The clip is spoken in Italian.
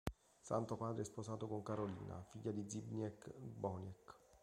Santopadre è sposato con Karolina, figlia di Zbigniew Boniek.